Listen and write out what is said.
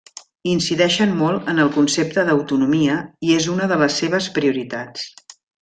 Incideixen molt en el concepte d'autonomia i és una de les seves prioritats.